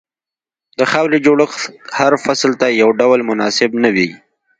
د خاورې جوړښت هر فصل ته یو ډول مناسب نه وي.